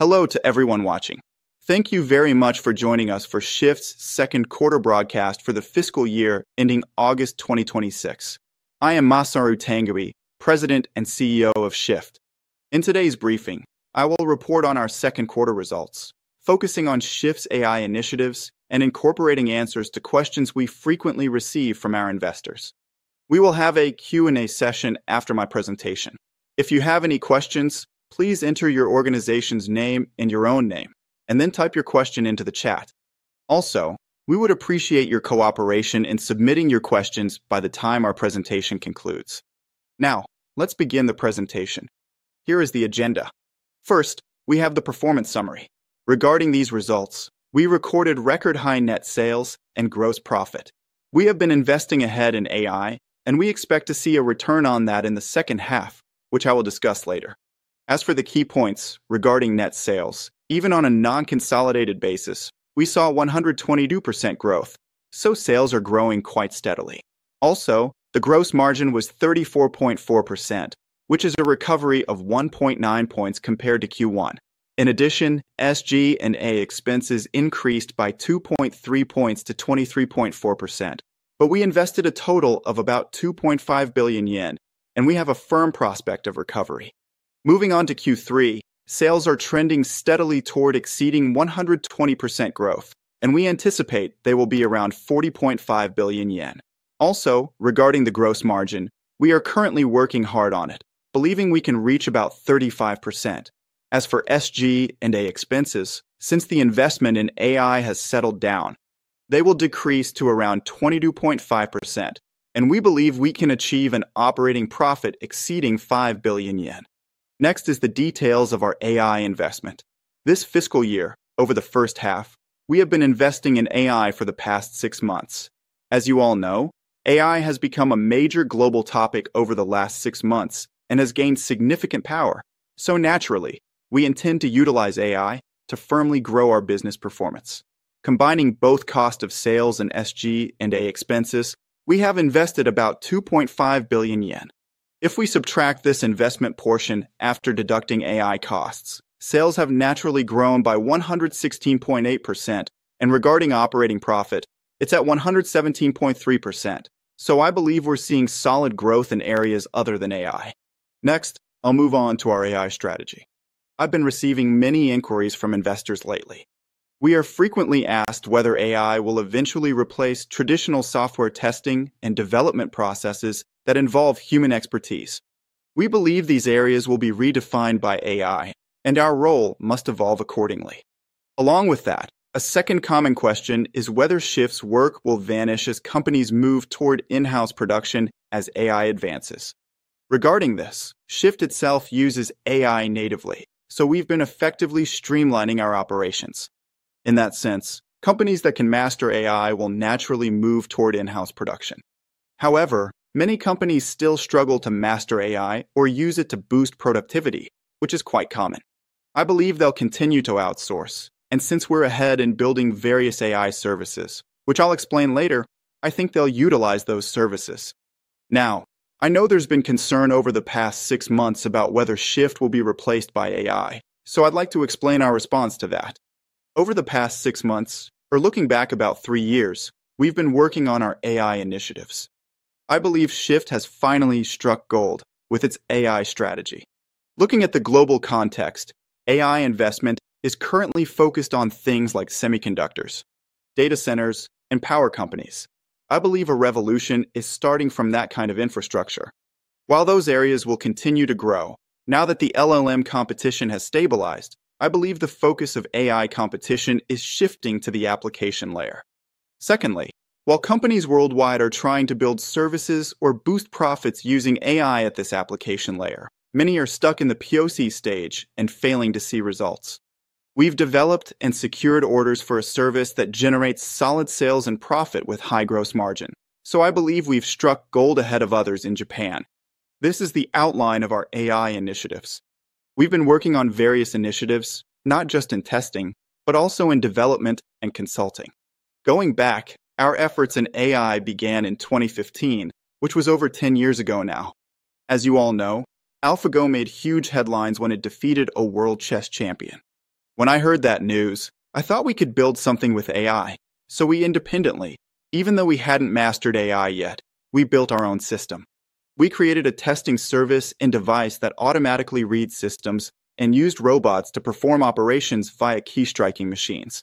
Hello to everyone watching. Thank you very much for joining us for SHIFT's Q2 broadcast for the fiscal year ending August 2026. I am Masaru Tange, President and CEO of SHIFT. In today's briefing, I will report on our Q2 results, focusing on SHIFT's AI initiatives and incorporating answers to questions we frequently receive from our investors. We will have a Q&A session after my presentation. If you have any questions, please enter your organization's name and your own name, and then type your question into the chat. Also, we would appreciate your cooperation in submitting your questions by the time our presentation concludes. Now, let's begin the presentation, here is the agenda. First, we have the performance summary. Regarding these results, we recorded record-high net sales and gross profit. We have been investing ahead in AI, and we expect to see a return on that in the second half, which I will discuss later. As for the key points regarding net sales, even on a non-consolidated basis, we saw 122% growth so sales are growing quite steadily. Also, the gross margin was 34.4%, which is a recovery of 1.9 points compared to Q1. In addition, SG&A expenses increased by 2.3 points-23.4%, but we invested a total of about 2.5 billion yen, and we have a firm prospect of recovery. Moving on to Q3, sales are trending steadily toward exceeding 120% growth, and we anticipate they will be around 40.5 billion yen. Also, regarding the gross margin, we are currently working hard on it, believing we can reach about 35%. As for SG&A expenses, since the investment in AI has settled down, they will decrease to around 22.5%, and we believe we can achieve an operating profit exceeding 5 billion yen. Next is the details of our AI investment. This fiscal year, over the first half, we have been investing in AI for the past 6 months. As you all know, AI has become a major global topic over the last 6 months and has gained significant power. Naturally, we intend to utilize AI to firmly grow our business performance. Combining both cost of sales and SG&A expenses, we have invested about 2.5 billion yen. If we subtract this investment portion after deducting AI costs, sales have naturally grown by 116.8% and regarding operating profit, it's at 117.3%, so I believe we're seeing solid growth in areas other than AI. Next, I'll move on to our AI strategy. I've been receiving many inquiries from investors lately. We are frequently asked whether AI will eventually replace traditional software testing and development processes that involve human expertise. We believe these areas will be redefined by AI, and our role must evolve accordingly. Along with that, a second common question is whether SHIFT's work will vanish as companies move toward in-house production as AI advances. Regarding this, SHIFT itself uses AI natively, so we've been effectively streamlining our operations. In that sense, companies that can master AI will naturally move toward in-house production. However, many companies still struggle to master AI or use it to boost productivity, which is quite common. I believe they'll continue to outsource, and since we're ahead in building various AI services, which I'll explain later, I think they'll utilize those services. Now, I know there's been concern over the past 6 months about whether SHIFT will be replaced by AI, so I'd like to explain our response to that. Over the past 6 months, or looking back about 3 years, we've been working on our AI initiatives, I believe SHIFT has finally struck gold with its AI strategy. Looking at the global context, AI investment is currently focused on things like semiconductors, data centers, and power companies. I believe a revolution is starting from that kind of infrastructure. While those areas will continue to grow, now that the LLM competition has stabilized, I believe the focus of AI competition is shifting to the application layer. Secondly, while companies worldwide are trying to build services or boost profits using AI at this application layer, many are stuck in the POC stage and failing to see results. We've developed and secured orders for a service that generates solid sales and profit with high gross margin, so I believe we've struck gold ahead of others in Japan. This is the outline of our AI initiatives. We've been working on various initiatives, not just in testing, but also in development and consulting. Going back, our efforts in AI began in 2015, which was over 10 years ago now. As you all know, AlphaGo made huge headlines when it defeated a world chess champion. When I heard that news, I thought we could build something with AI, so independently, even though we hadn't mastered AI yet, we built our own system. We created a testing service and device that automatically reads systems and used robots to perform operations via key striking machines.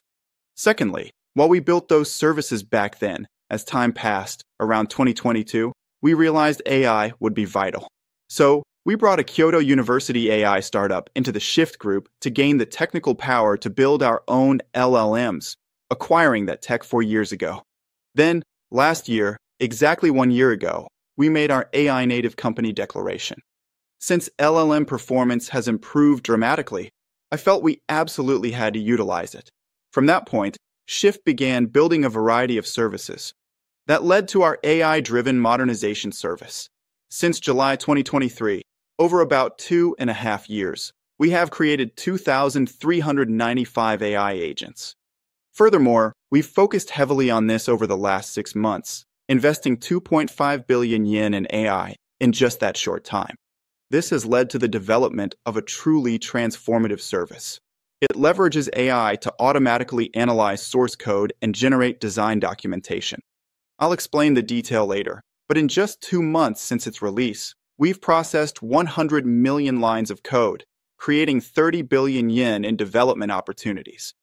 Secondly, while we built those services back then, as time passed around 2022, we realized AI would be vital. We brought a Kyoto University AI startup into the SHIFT group to gain the technical power to build our own LLMs, acquiring that tech 4 years ago. Last year, exactly 1 year ago, we made our AI native company declaration. Since LLM performance has improved dramatically, I felt we absolutely had to utilize it. From that point, SHIFT began building a variety of services that led to our AI-driven modernization service. Since July 2023, over about two and a half years, we have created 2,395 AI agents. Furthermore, we've focused heavily on this over the last 6 months, investing 2.5 billion yen in AI in just that short time. This has led to the development of a truly transformative service. It leverages AI to automatically analyze source code and generate design documentation, I'll explain the detail later. But in just 2 months since its release, we've processed 100 million lines of code, creating 30 billion yen in development opportunities.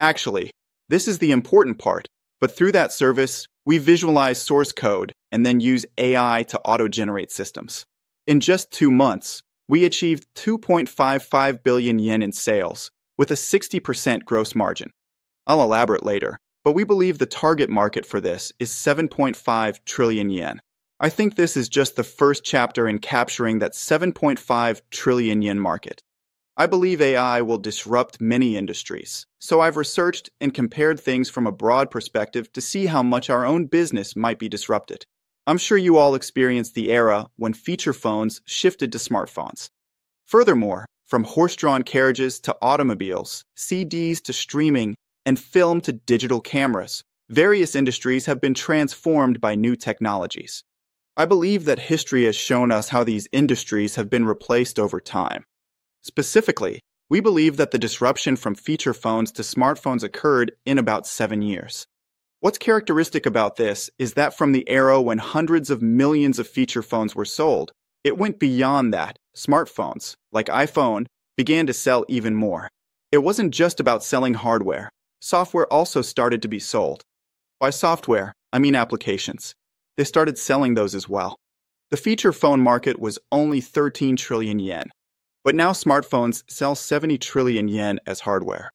Actually, this is the important part, but through that service, we visualize source code and then use AI to auto-generate systems. In just 2 months, we achieved 2.55 billion yen in sales with a 60% gross margin. I'll elaborate later, but we believe the target market for this is 7.5 trillion yen. I think this is just the first chapter in capturing that 7.5 trillion yen market. I believe AI will disrupt many industries, so I've researched and compared things from a broad perspective to see how much our own business might be disrupted. I'm sure you all experienced the era when feature phones shifted to smartphones. Furthermore, from horse-drawn carriages to automobiles, CDs to streaming, and film to digital cameras, various industries have been transformed by new technologies. I believe that history has shown us how these industries have been replaced over time. Specifically, we believe that the disruption from feature phones to smartphones occurred in about 7 years. What's characteristic about this is that from the era when hundreds of millions of feature phones were sold, it went beyond that. Smartphones, like iPhone, began to sell even more. It wasn't just about selling hardware. Software also started to be sold. By software, I mean applications, they started selling those as well. The feature phone market was only 13 trillion yen, but now smartphones sell 70 trillion yen as hardware,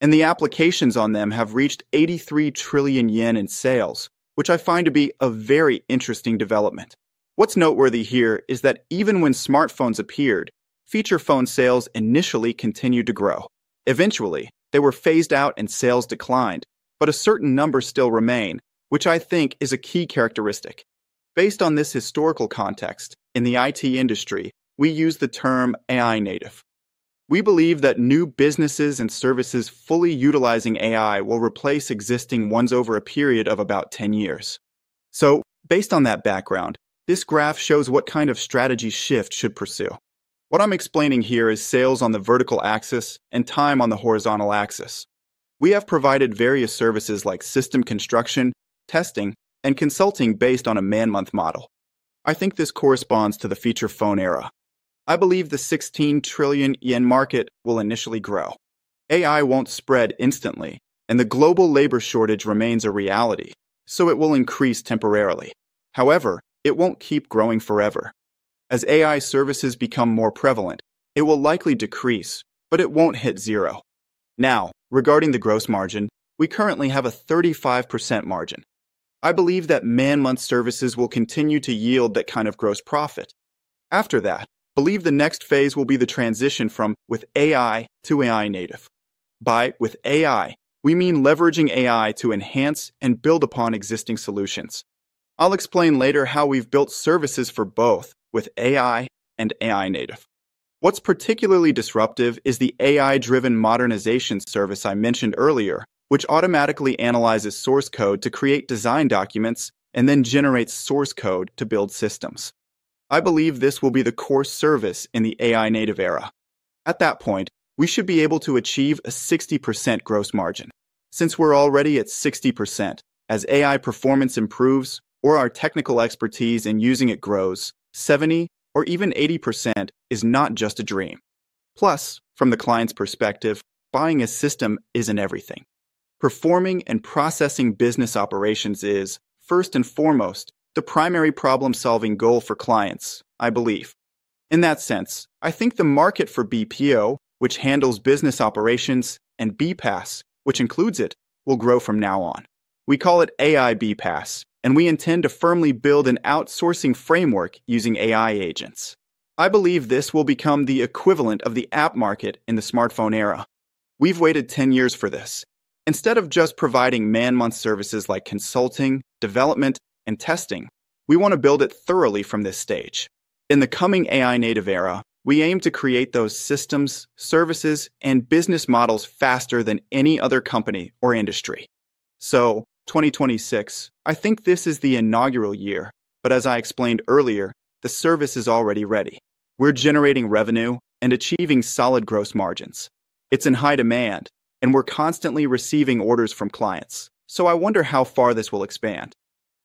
and the applications on them have reached 83 trillion yen in sales, which I find to be a very interesting development. What's noteworthy here is that even when smartphones appeared, feature phone sales initially continued to grow. Eventually, they were phased out and sales declined, but a certain number still remain, which I think is a key characteristic. Based on this historical context, in the IT industry, we use the term AI native. We believe that new businesses and services fully utilizing AI will replace existing ones over a period of about 10 years. Based on that background, this graph shows what kind of strategy SHIFT should pursue. What I'm explaining here is sales on the vertical axis and time on the horizontal axis. We have provided various services like system construction, testing, and consulting based on a man-month model. I think this corresponds to the feature phone era. I believe the 16 trillion yen market will initially grow. AI won't spread instantly, and the global labor shortage remains a reality, so it will increase temporarily. However, it won't keep growing forever as AI services become more prevalent, it will likely decrease, but it won't hit zero. Now, regarding the gross margin, we currently have a 35% margin. I believe that man-month services will continue to yield that kind of gross profit. After that, I believe the next phase will be the transition from with AI-AI native. By with AI, we mean leveraging AI to enhance and build upon existing solutions. I'll explain later how we've built services for both with AI and AI native. What's particularly disruptive is the AI-driven modernization service I mentioned earlier, which automatically analyzes source code to create design documents and then generates source code to build systems. I believe this will be the core service in the AI native era. At that point, we should be able to achieve a 60% gross margin. Since we're already at 60%, as AI performance improves or our technical expertise in using it grows, 70% or even 80% is not just a dream. Plus, from the client's perspective, buying a system isn't everything. Performing and processing business operations is first and foremost the primary problem-solving goal for clients, I believe. In that sense, I think the market for BPO, which handles business operations, and BPaaS, which includes it, will grow from now on. We call it AI BPaaS, and we intend to firmly build an outsourcing framework using AI agents. I believe this will become the equivalent of the app market in the smartphone era. We've waited 10 years for this. Instead of just providing man-month services like consulting, development, and testing, we want to build it thoroughly from this stage. In the coming AI native era, we aim to create those systems, services, and business models faster than any other company or industry. 2026, I think this is the inaugural year, but as I explained earlier, the service is already ready. We're generating revenue and achieving solid gross margins. It's in high demand, and we're constantly receiving orders from clients. I wonder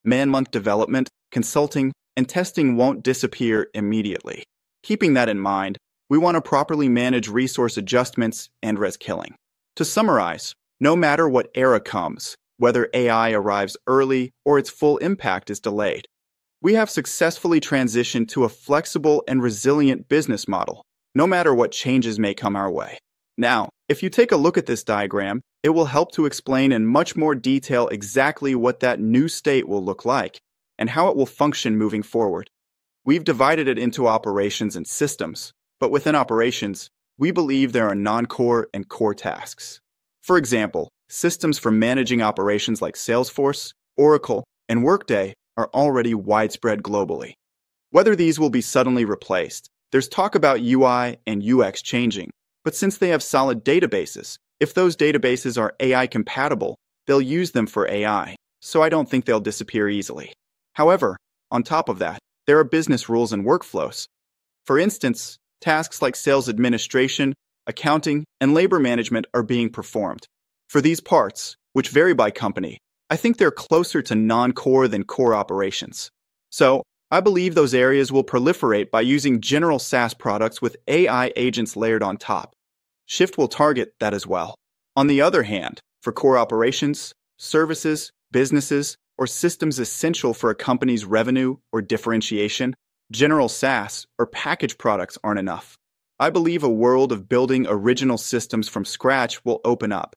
how far this will expand. Man-month development, consulting, and testing won't disappear immediately. Keeping that in mind, we want to properly manage resource adjustments and reskilling. To summarize, no matter what era comes, whether AI arrives early or its full impact is delayed, we have successfully transitioned to a flexible and resilient business model, no matter what changes may come our way. Now, if you take a look at this diagram, it will help to explain in much more detail exactly what that new state will look like and how it will function moving forward. We've divided it into operations and systems, but within operations, we believe there are non-core and core tasks. For example, systems for managing operations like Salesforce, Oracle, and Workday are already widespread globally. Whether these will be suddenly replaced, there's talk about UI and UX changing, but since they have solid databases, if those databases are AI-compatible, they'll use them for AI, so I don't think they'll disappear easily. However, on top of that, there are business rules and workflows. For instance, tasks like sales administration, accounting, and labor management are being performed. For these parts, which vary by company, I think they're closer to non-core than core operations. I believe those areas will proliferate by using general SaaS products with AI agents layered on top, SHIFT will target that as well. On the other hand, for core operations, services, businesses, or systems essential for a company's revenue or differentiation, general SaaS or package products aren't enough. I believe a world of building original systems from scratch will open up.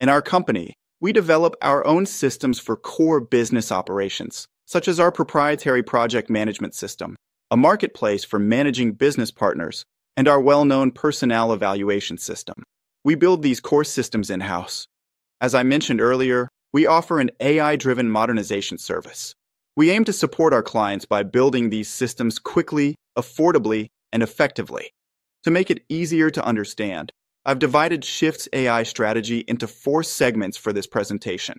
In our company, we develop our own systems for core business operations, such as our proprietary project management system. A marketplace for managing business partners, and our well-known personnel evaluation system. We build these core systems in-house. As I mentioned earlier, we offer an AI-driven modernization service. We aim to support our clients by building these systems quickly, affordably, and effectively. To make it easier to understand, I've divided SHIFT's AI strategy into four segments for this presentation.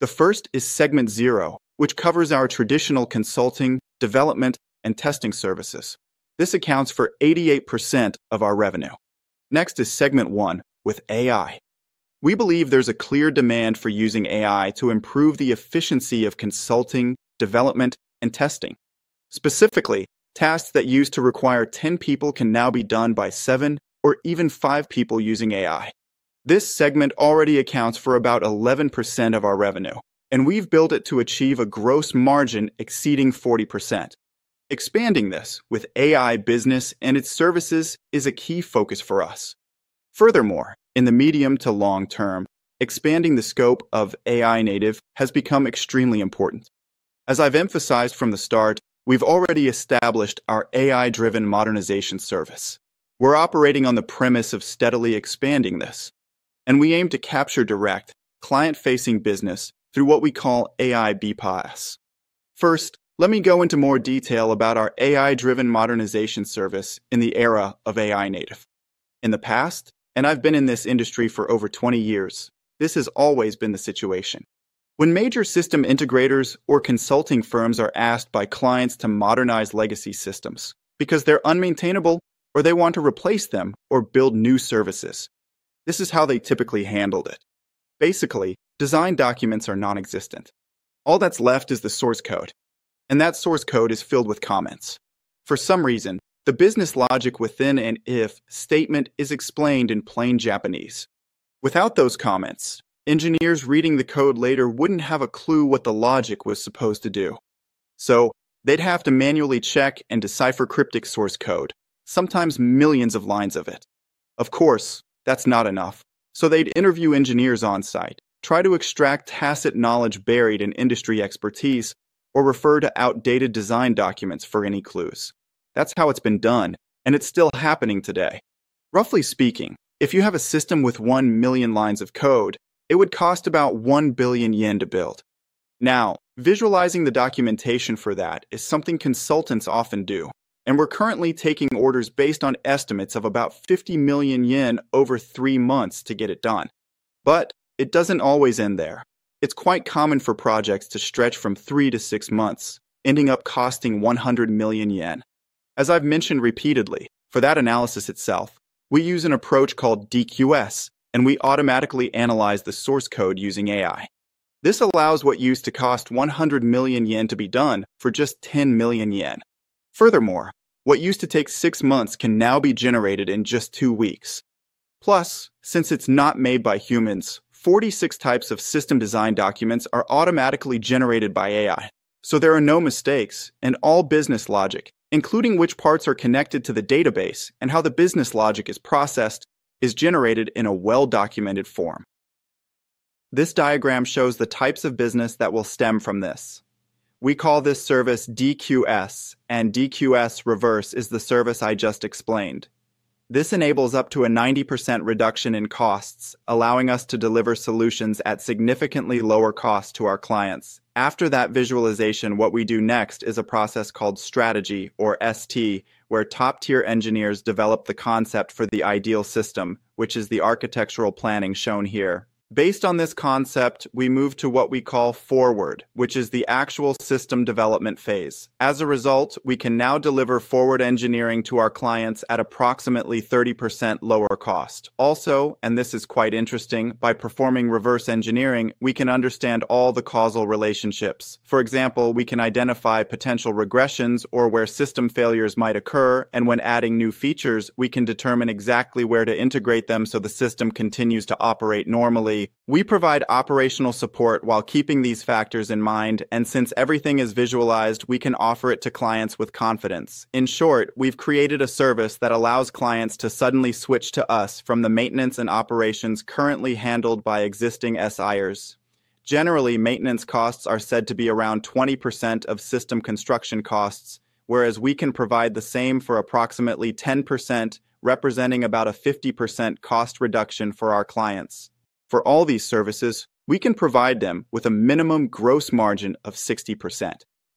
The 1st is Segment Zero, which covers our traditional consulting, development, and testing services, this accounts for 88% of our revenue. Next is Segment One with AI, we believe there's a clear demand for using AI to improve the efficiency of consulting, development, and testing. Specifically, tasks that used to require 10 people can now be done by 7 or even 5 people using AI. This segment already accounts for about 11% of our revenue, and we've built it to achieve a gross margin exceeding 40%. Expanding this with AI business and its services is a key focus for us. Furthermore, in the medium to long term, expanding the scope of AI native has become extremely important. As I've emphasized from the start, we've already established our AI-driven Modernization Service. We're operating on the premise of steadily expanding this, and we aim to capture direct client-facing business through what we call AI BPaaS. First, let me go into more detail about our AI-driven modernization service in the era of AI native. In the past, and I've been in this industry for over 20 years, this has always been the situation. When major system integrators or consulting firms are asked by clients to modernize legacy systems because they're unmaintainable or they want to replace them or build new services, this is how they typically handled it. Basically, design documents are nonexistent, all that's left is the source code, and that source code is filled with comments. For some reason, the business logic within an if statement is explained in plain Japanese. Without those comments, engineers reading the code later wouldn't have a clue what the logic was supposed to do. They'd have to manually check and decipher cryptic source code, sometimes millions of lines of it. Of course, that's not enough, so they'd interview engineers on-site, try to extract tacit knowledge buried in industry expertise, or refer to outdated design documents for any clues. That's how it's been done, and it's still happening today. Roughly speaking, if you have a system with 1 million lines of code, it would cost about 1 billion yen to build. Now, visualizing the documentation for that is something consultants often do, and we're currently taking orders based on estimates of about 50 million yen over 3 months to get it done. It doesn't always end there. It's quite common for projects to stretch from 3-6 months, ending up costing 100 million yen. As I've mentioned repeatedly, for that analysis itself, we use an approach called DQS, and we automatically analyze the source code using AI. This allows what used to cost 100 million yen to be done for just 10 million yen. Furthermore, what used to take 6 months can now be generated in just 2 weeks. Plus, since it's not made by humans, 46 types of system design documents are automatically generated by AI. So there are no mistakes and all business logic, including which parts are connected to the database and how the business logic is processed, is generated in a well-documented form. This diagram shows the types of business that will stem from this. We call this service DQS, and DQS Reverse is the service I just explained. This enables up to a 90% reduction in costs, allowing us to deliver solutions at significantly lower cost to our clients. After that visualization, what we do next is a process called strategy or ST, where top-tier engineers develop the concept for the ideal system, which is the architectural planning shown here. Based on this concept, we move to what we call forward, which is the actual system development phase. As a result, we can now deliver forward engineering to our clients at approximately 30% lower cost. Also, and this is quite interesting, by performing reverse engineering, we can understand all the causal relationships. For example, we can identify potential regressions or where system failures might occur, and when adding new features, we can determine exactly where to integrate them so the system continues to operate normally. We provide operational support while keeping these factors in mind, and since everything is visualized, we can offer it to clients with confidence. In short, we've created a service that allows clients to suddenly switch to us from the maintenance and operations currently handled by existing SIers. Generally, maintenance costs are said to be around 20% of system construction costs, whereas we can provide the same for approximately 10%, representing about a 50% cost reduction for our clients. For all these services, we can provide them with a minimum gross margin of 60%.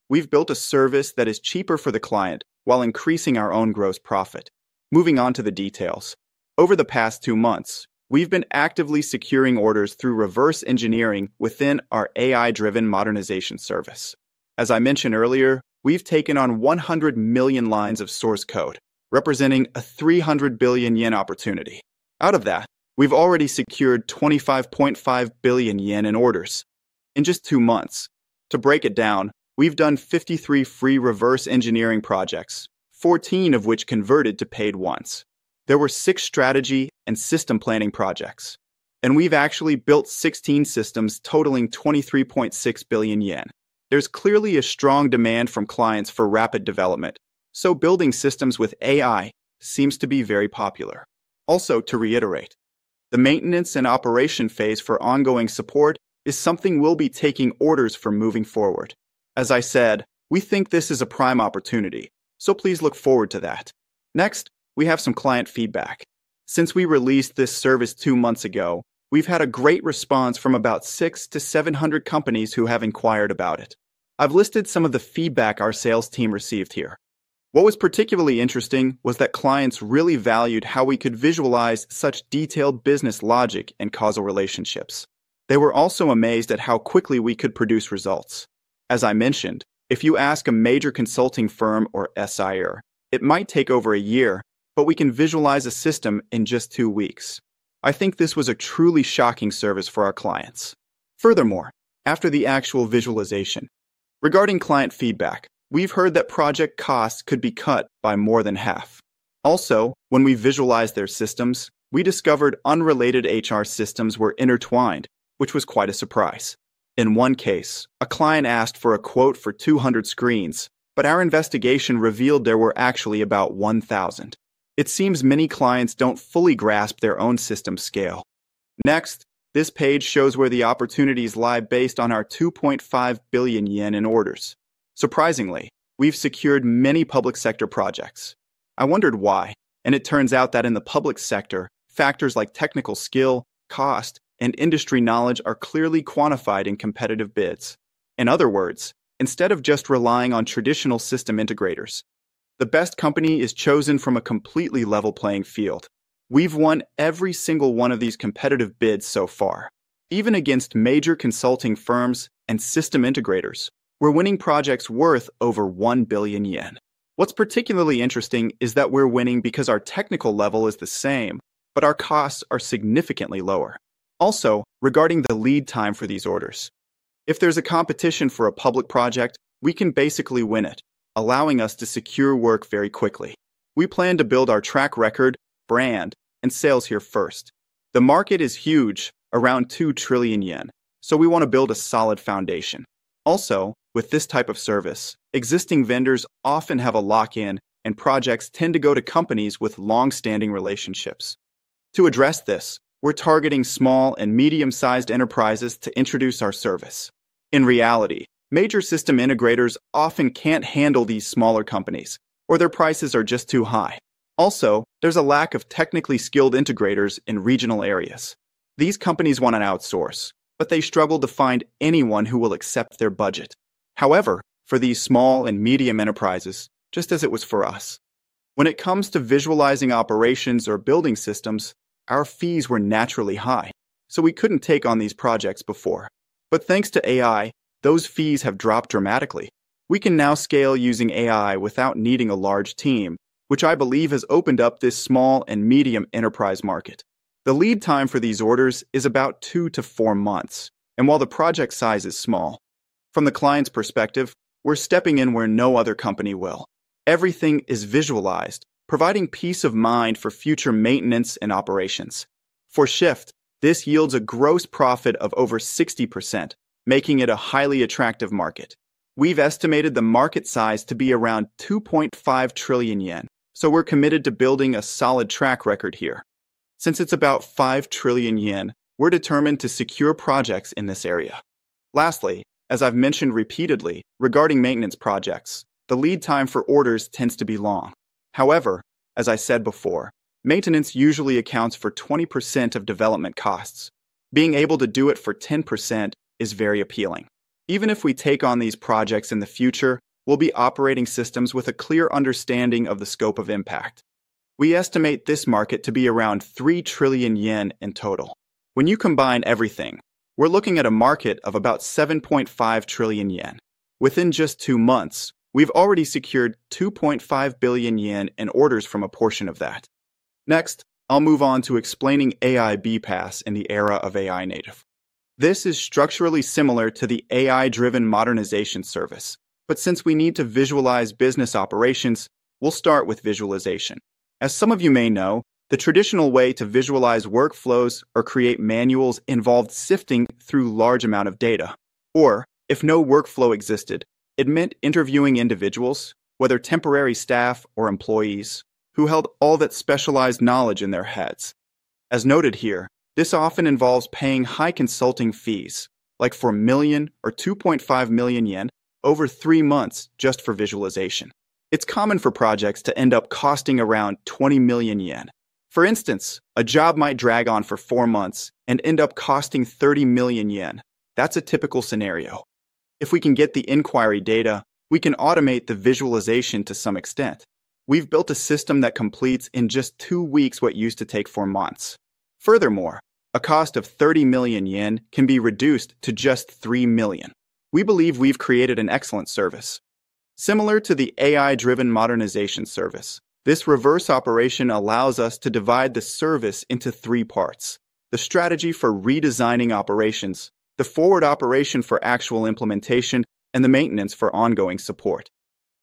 We've built a service that is cheaper for the client while increasing our own gross profit. Moving on to the details. Over the past 2 months, we've been actively securing orders through reverse engineering within our AI-driven modernization service. As I mentioned earlier, we've taken on 100 million lines of source code, representing a 300 billion yen opportunity. Out of that, we've already secured 25.5 billion yen in orders in just two months. To break it down, we've done 53 free reverse engineering projects, 14 of which converted to paid ones. There were 6 strategy and system planning projects, and we've actually built 16 systems totaling 23.6 billion yen. There's clearly a strong demand from clients for rapid development, so building systems with AI seems to be very popular. Also, to reiterate, the maintenance and operation phase for ongoing support is something we'll be taking orders for moving forward. As I said, we think this is a prime opportunity, so please look forward to that. Next, we have some client feedback. Since we released this service 2 months ago, we've had a great response from about 6-700 companies who have inquired about it. I've listed some of the feedback our sales team received here. What was particularly interesting was that clients really valued how we could visualize such detailed business logic and causal relationships. They were also amazed at how quickly we could produce results. As I mentioned, if you ask a major consulting firm or SIer, it might take over a year, but we can visualize a system in just 2 weeks. I think this was a truly shocking service for our clients. Furthermore, after the actual visualization, regarding client feedback, we've heard that project costs could be cut by more than half. Also, when we visualized their systems, we discovered unrelated HR systems were intertwined, which was quite a surprise. In one case, a client asked for a quote for 200 screens, but our investigation revealed there were actually about 1,000. It seems many clients don't fully grasp their own system scale. Next, this page shows where the opportunities lie based on our 2.5 billion yen in orders. Surprisingly, we've secured many public sector projects. I wondered why, and it turns out that in the public sector, factors like technical skill, cost, and industry knowledge are clearly quantified in competitive bids. In other words, instead of just relying on traditional system integrators, the best company is chosen from a completely level playing field. We've won every single one of these competitive bids so far. Even against major consulting firms and system integrators, we're winning projects worth over 1 billion yen. What's particularly interesting is that we're winning because our technical level is the same, but our costs are significantly lower. Also, regarding the lead time for these orders, if there's a competition for a public project, we can basically win it, allowing us to secure work very quickly. We plan to build our track record, brand, and sales here first. The market is huge, around 2 trillion yen, so we want to build a solid foundation. Also, with this type of service, existing vendors often have a lock-in, and projects tend to go to companies with long-standing relationships. To address this, we're targeting small and medium-sized enterprises to introduce our service. In reality, major system integrators often can't handle these smaller companies, or their prices are just too high. Also, there's a lack of technically skilled integrators in regional areas. These companies want to outsource, but they struggle to find anyone who will accept their budget. However, for these small and medium enterprises, just as it was for us, when it comes to visualizing operations or building systems, our fees were naturally high, so we couldn't take on these projects before. Thanks to AI, those fees have dropped dramatically. We can now scale using AI without needing a large team, which I believe has opened up this small and medium enterprise market. The lead time for these orders is about 2-4 months, and while the project size is small, from the client's perspective, we're stepping in where no other company will. Everything is visualized, providing peace of mind for future maintenance and operations. For SHIFT, this yields a gross profit of over 60%, making it a highly attractive market. We've estimated the market size to be around 2.5 trillion yen, so we're committed to building a solid track record here. Since it's about 5 trillion yen, we're determined to secure projects in this area. Lastly, as I've mentioned repeatedly, regarding maintenance projects, the lead time for orders tends to be long. However, as I said before, maintenance usually accounts for 20% of development costs. Being able to do it for 10% is very appealing. Even if we take on these projects in the future, we'll be operating systems with a clear understanding of the scope of impact. We estimate this market to be around 3 trillion yen in total. When you combine everything, we're looking at a market of about 7.5 trillion yen. Within just 2 months, we've already secured 2.5 billion yen in orders from a portion of that. Next, I'll move on to explaining AI BPaaS in the era of AI native. This is structurally similar to the AI-driven modernization service, but since we need to visualize business operations, we'll start with visualization. As some of you may know, the traditional way to visualize workflows or create manuals involved sifting through large amount of data. If no workflow existed, it meant interviewing individuals, whether temporary staff or employees, who held all that specialized knowledge in their heads. As noted here, this often involves paying high consulting fees, like 4 million or 2.5 million yen over 3 months just for visualization. It's common for projects to end up costing around 20 million yen. For instance, a job might drag on for 4 months and end up costing 30 million yen. That's a typical scenario. If we can get the inquiry data, we can automate the visualization to some extent. We've built a system that completes in just 2 weeks what used to take four months. Furthermore, a cost of 30 million yen can be reduced to just 3 million. We believe we've created an excellent service. Similar to the AI-driven modernization service, this reverse operation allows us to divide the service into 3 parts, the strategy for redesigning operations, the forward operation for actual implementation, and the maintenance for ongoing support.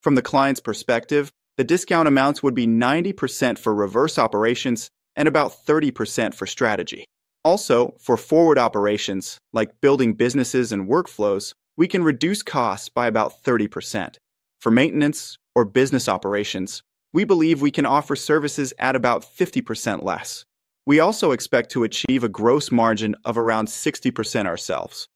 From the client's perspective, the discount amounts would be 90% for reverse operations and about 30% for strategy. Also, for forward operations, like building businesses and workflows, we can reduce costs by about 30%. For maintenance or business operations, we believe we can offer services at about 50% less. We also expect to achieve a gross margin of around 60% ourselves.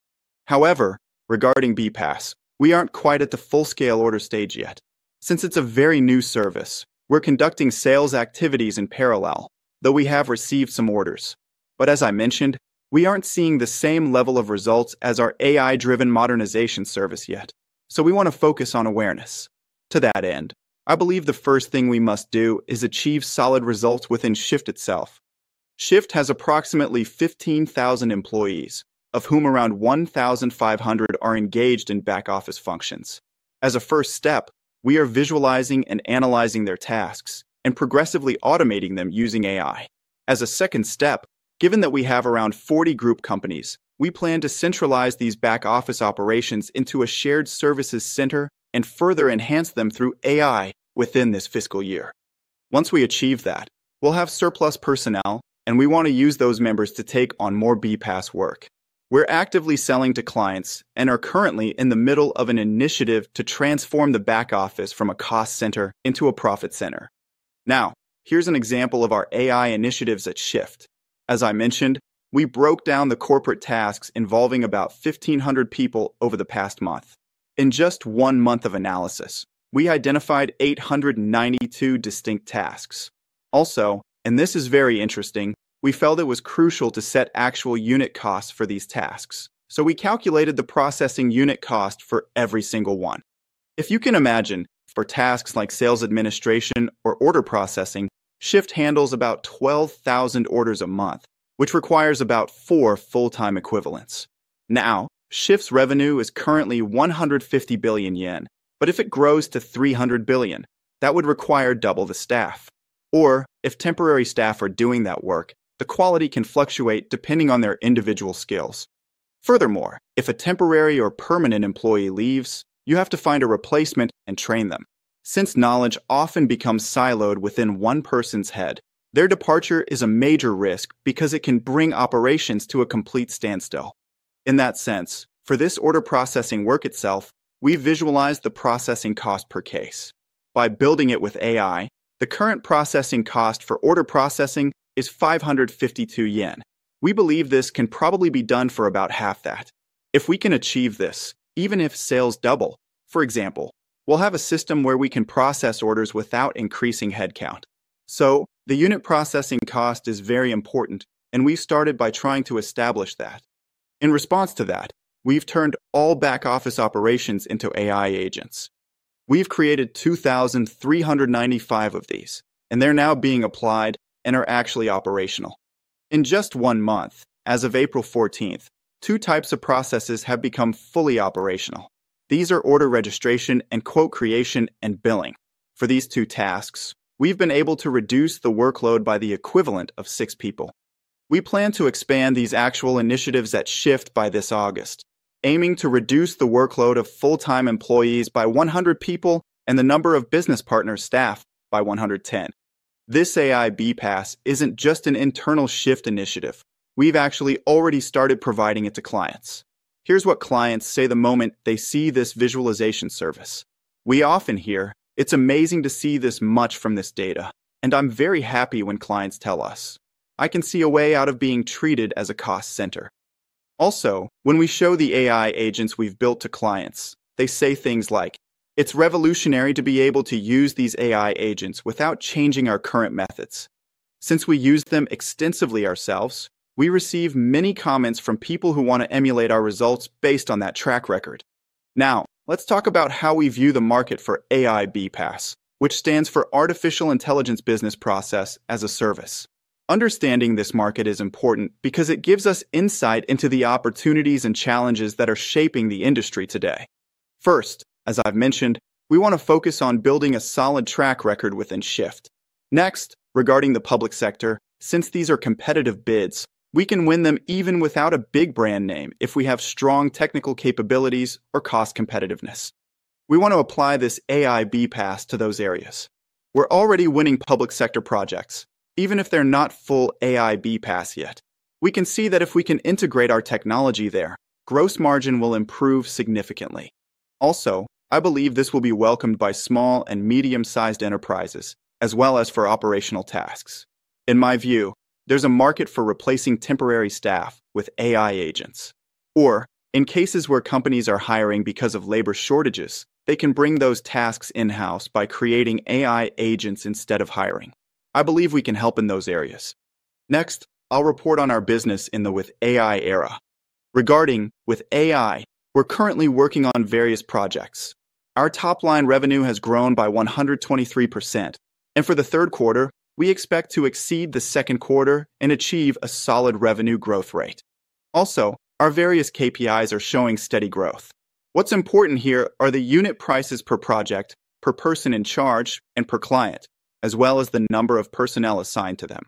However, regarding BPaaS, we aren't quite at the full-scale order stage yet. Since it's a very new service, we're conducting sales activities in parallel, though we have received some orders. As I mentioned, we aren't seeing the same level of results as our AI-driven modernization service yet, so we want to focus on awareness. To that end, I believe the first thing we must do is achieve solid results within SHIFT itself. SHIFT has approximately 15,000 employees, of whom around 1,500 are engaged in back-office functions. As a first step, we are visualizing and analyzing their tasks and progressively automating them using AI. As a second step, given that we have around 40 group companies, we plan to centralize these back-office operations into a shared services center and further enhance them through AI within this fiscal year. Once we achieve that, we'll have surplus personnel, and we want to use those members to take on more BPaaS work. We're actively selling to clients and are currently in the middle of an initiative to transform the back office from a cost center into a profit center. Now, here's an example of our AI initiatives at SHIFT. As I mentioned, we broke down the corporate tasks involving about 1,500 people over the past month. In just 1 month of analysis, we identified 892 distinct tasks. Also, and this is very interesting, we felt it was crucial to set actual unit costs for these tasks, so we calculated the processing unit cost for every single one. If you can imagine, for tasks like sales administration or order processing, SHIFT handles about 12,000 orders a month, which requires about 4 full-time equivalents. Now, SHIFT's revenue is currently 150 billion yen, but if it grows to 300 billion, that would require double the staff. If temporary staff are doing that work, the quality can fluctuate depending on their individual skills. Furthermore, if a temporary or permanent employee leaves, you have to find a replacement and train them. Since knowledge often becomes siloed within one person's head, their departure is a major risk because it can bring operations to a complete standstill. In that sense, for this order processing work itself, we've visualized the processing cost per case. By building it with AI, the current processing cost for order processing is 552 yen. We believe this can probably be done for about half that. If we can achieve this, even if sales double, for example, we'll have a system where we can process orders without increasing headcount. The unit processing cost is very important, and we've started by trying to establish that. In response to that, we've turned all back-office operations into AI agents. We've created 2,395 of these, and they're now being applied and are actually operational. In just 1 month, as of April 14th, two types of processes have become fully operational. These are order registration and quote creation and billing. For these two tasks, we've been able to reduce the workload by the equivalent of 6 people. We plan to expand these actual initiatives at SHIFT by this August, aiming to reduce the workload of full-time employees by 100 people and the number of business partner staff by 110. This AI BPaaS isn't just an internal SHIFT initiative, we've actually already started providing it to clients. Here's what clients say the moment they see this visualization service. We often hear, "It's amazing to see this much from this data," and I'm very happy when clients tell us, "I can see a way out of being treated as a cost center." Also, when we show the AI agents we've built to clients, they say things like, "It's revolutionary to be able to use these AI agents without changing our current methods." Since we used them extensively ourselves, we receive many comments from people who want to emulate our results based on that track record. Now, let's talk about how we view the market for AI BPaaS, which stands for Artificial Intelligence Business Process as a Service. Understanding this market is important because it gives us insight into the opportunities and challenges that are shaping the industry today. First, as I've mentioned, we want to focus on building a solid track record within SHIFT. Next, regarding the public sector, since these are competitive bids, we can win them even without a big brand name if we have strong technical capabilities or cost competitiveness. We want to apply this AI BPaaS to those areas, we're already winning public sector projects, even if they're not full AI BPaaS yet. We can see that if we can integrate our technology there, gross margin will improve significantly. Also, I believe this will be welcomed by small and medium-sized enterprises, as well as for operational tasks. In my view, there's a market for replacing temporary staff with AI agents. In cases where companies are hiring because of labor shortages, they can bring those tasks in-house by creating AI agents instead of hiring, I believe we can help in those areas. Next, I'll report on our business in the with AI era. Regarding with AI, we're currently working on various projects. Our top-line revenue has grown by 123%. For the Q3, we expect to exceed the Q2 and achieve a solid revenue growth rate. Also, our various KPIs are showing steady growth. What's important here are the unit prices per project, per person in charge, and per client, as well as the number of personnel assigned to them,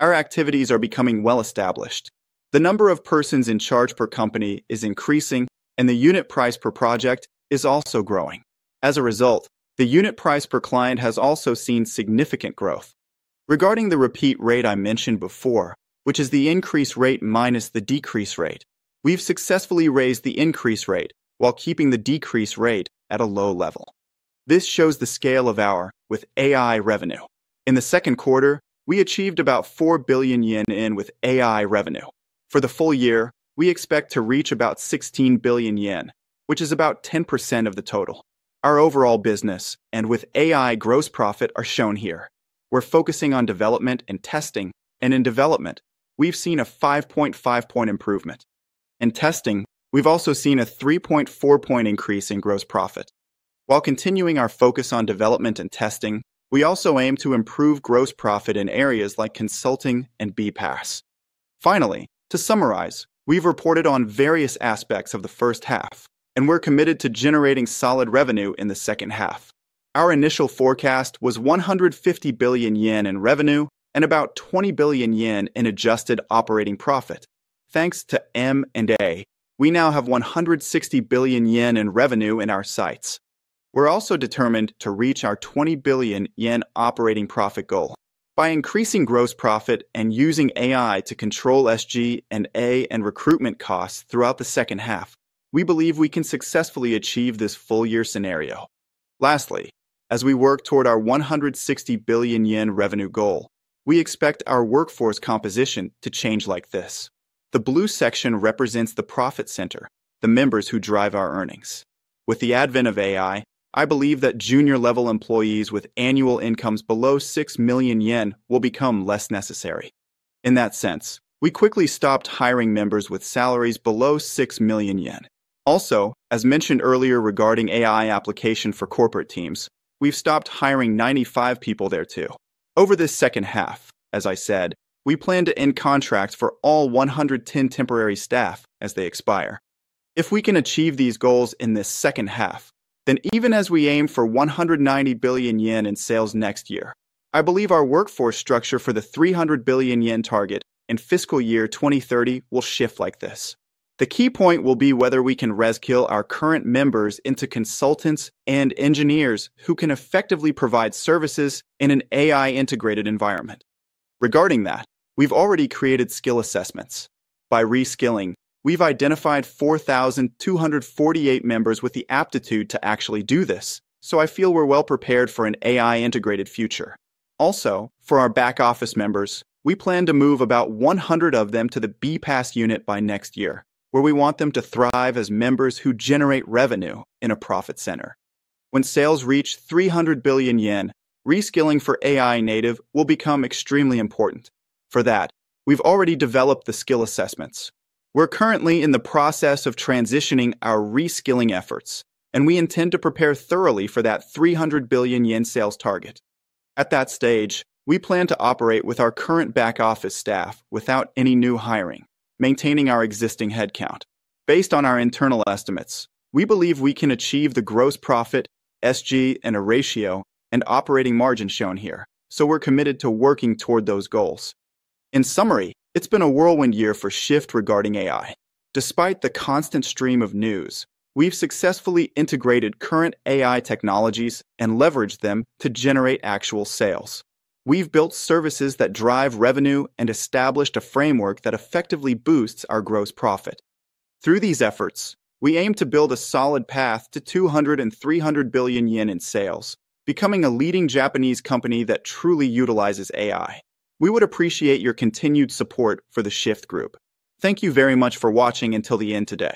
our activities are becoming well-established. The number of persons in charge per company is increasing, and the unit price per project is also growing. As a result, the unit price per client has also seen significant growth. Regarding the repeat rate I mentioned before, which is the increase rate minus the decrease rate, we've successfully raised the increase rate while keeping the decrease rate at a low level. This shows the scale of our with AI revenue. In the Q2, we achieved about 4 billion yen in with AI revenue. For the full year, we expect to reach about 16 billion yen, which is about 10% of the total. Our overall business and with AI gross profit are shown here. We're focusing on development and testing, and in development, we've seen a 5.5 point improvement. In testing, we've also seen a 3.4 point increase in gross profit. While continuing our focus on development and testing, we also aim to improve gross profit in areas like consulting and BPaaS. Finally, to summarize, we've reported on various aspects of the first half, and we're committed to generating solid revenue in the second half. Our initial forecast was 150 billion yen in revenue and about 20 billion yen in adjusted operating profit. Thanks to M&A, we now have 160 billion yen in revenue in our sights. We're also determined to reach our 20 billion yen operating profit goal. By increasing gross profit and using AI to control SG&A and recruitment costs throughout the second half, we believe we can successfully achieve this full-year scenario. Lastly, as we work toward our 160 billion yen revenue goal, we expect our workforce composition to change like this. The blue section represents the profit center, the members who drive our earnings. With the advent of AI, I believe that junior-level employees with annual incomes below 6 million yen will become less necessary. In that sense, we quickly stopped hiring members with salaries below 6 million yen. Also, as mentioned earlier regarding AI application for corporate teams, we've stopped hiring 95 people there too. Over this second half, as I said, we plan to end contracts for all 110 temporary staff as they expire. If we can achieve these goals in this second half, then even as we aim for 190 billion yen in sales next year, I believe our workforce structure for the 300 billion yen target in fiscal year 2030 will shift like this. The key point will be whether we can reskill our current members into consultants and engineers who can effectively provide services in an AI-integrated environment. Regarding that, we've already created skill assessments. By reskilling, we've identified 4,248 members with the aptitude to actually do this, so I feel we're well prepared for an AI-integrated future. Also, for our back-office members, we plan to move about 100 of them to the BPaaS unit by next year, where we want them to thrive as members who generate revenue in a profit center. When sales reach 300 billion yen, reskilling for AI native will become extremely important. For that, we've already developed the skill assessments. We're currently in the process of transitioning our reskilling efforts, and we intend to prepare thoroughly for that 300 billion yen sales target. At that stage, we plan to operate with our current back-office staff without any new hiring, maintaining our existing headcount. Based on our internal estimates, we believe we can achieve the gross profit, SG&A ratio, and operating margin shown here, so we're committed to working toward those goals. In summary, it's been a whirlwind year for SHIFT regarding AI. Despite the constant stream of news, we've successfully integrated current AI technologies and leveraged them to generate actual sales. We've built services that drive revenue and established a framework that effectively boosts our gross profit. Through these efforts, we aim to build a solid path to 200 billion yen and 300 billion yen in sales, becoming a leading Japanese company that truly utilizes AI. We would appreciate your continued support for the SHIFT Group. Thank you very much for watching until the end today.